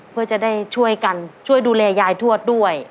เพื่อจะได้ช่วยกันช่วยดูแลยายทวดด้วย